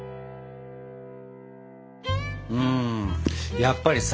うんやっぱりさ